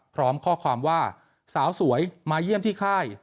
พร้อมข้อความว่าสาวสวยมาเยี่ยมที่ค่าย